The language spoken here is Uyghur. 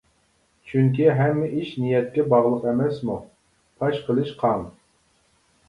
چۈنكى ھەممە ئىش نىيەتكە باغلىق ئەمەسمۇ؟ پاش قىلىش قان.